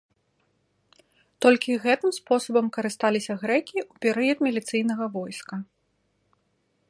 Толькі гэтым спосабам карысталіся грэкі ў перыяд міліцыйнага войска.